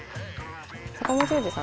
坂元裕二さん